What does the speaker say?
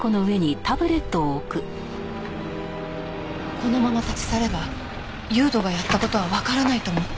このまま立ち去れば悠斗がやった事はわからないと思って。